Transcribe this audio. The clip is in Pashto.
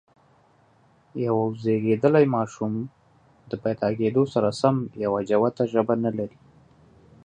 یو زېږيدلی ماشوم د پیدا کېدو سره سم یوه جوته ژبه نه لري.